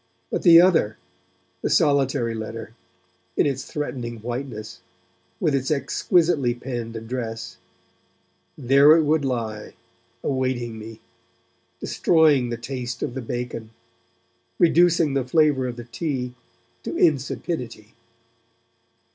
But the other, the solitary letter, in its threatening whiteness, with its exquisitely penned address there it would lie awaiting me, destroying the taste of the bacon, reducing the flavour of the tea to insipidity.